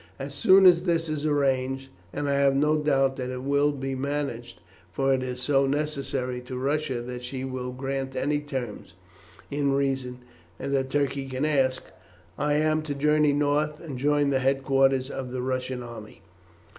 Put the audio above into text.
As soon as this is arranged, and I have no doubt that it will be managed, for it is so necessary to Russia that she will grant any terms, in reason, that Turkey can ask, I am to journey north and join the headquarters of the Russian army."